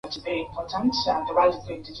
Kulingana na bei zilizotangazwa hivi karibuni na